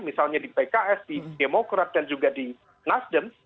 misalnya di pks di demokrat dan juga di nasdem